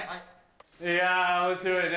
いや面白いね。